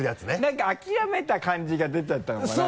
何か諦めた感じが出ちゃったのかな？